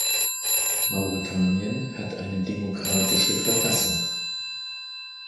Mauretanien hat eine demokratische Verfassung.